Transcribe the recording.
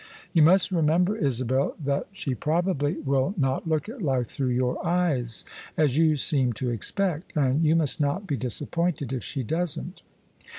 " You must remember, Isabel, that she probably will not look at life through your eyes, as you seem to expect: and you must not be disappointed if she doesn't."